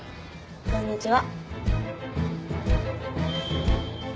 こんにちは。